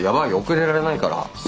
遅れられないから。